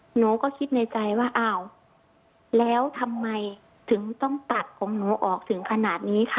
หนูก็คิดในใจว่าอ้าวแล้วทำไมถึงต้องตัดของหนูออกถึงขนาดนี้ค่ะ